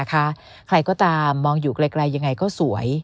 ใครก็ตามมองอยู่ไกลยังไงก็สวย